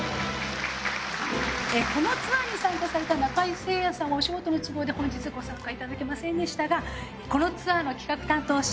このツアーに参加された中井精也さんはお仕事の都合で本日ご参加いただけませんでしたがこのツアーの企画担当者